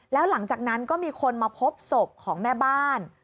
แล้วหลังจากนั้นก็มีคนมาพบศพของแม่บ้าน